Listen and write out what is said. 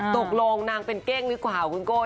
ตกลงนางเป็นเก้งกว่าขนาดของโกน